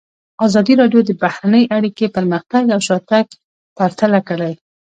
ازادي راډیو د بهرنۍ اړیکې پرمختګ او شاتګ پرتله کړی.